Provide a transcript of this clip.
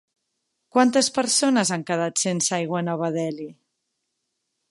Quantes persones han quedat sense aigua a Nova Delhi?